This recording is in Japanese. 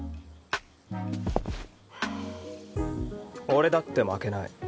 俺だって負けない。